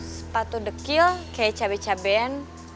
sepatu dekil kayak cabe cabean